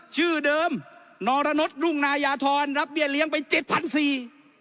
ชื่อเดิมนรนดรุ่งนายาธรรับเบี้ยเลี้ยงไปเจ็ดพันสี่